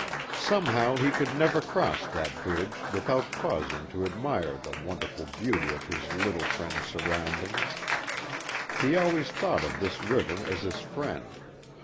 Somehow he could never cross that bridge without pausing to admire the wonderful beauty of his little friend's surroundings. He always thought of this river as his friend.